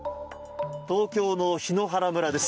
東京の檜原村です。